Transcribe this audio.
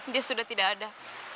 dia sudah tidak ada